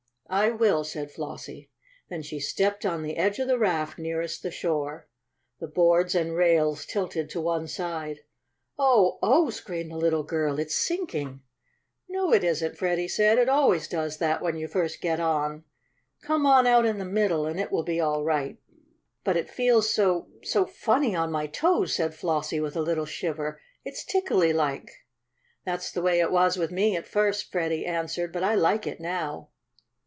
"I will," said Flossie. Then she stepped on the edge of the raft nearest the shore. The boards and rails tilted to one side. "Oh! Oh!" screamed the little girl. "It's sinking!" "No it isn't," Freddie said. "It always does that when you first get on. Come on out in the middle and it will be all right." "But it feels so so funny on my toes!" said Flossie, with a little shiver. "It's tickly like." "That's the way it was with me at first," Freddie answered. "But I like it now."